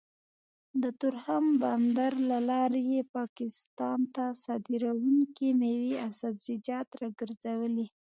د تورخم بندر له لارې يې پاکستان ته صادرېدونکې مېوې او سبزيجات راګرځولي